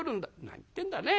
「何言ってんだね。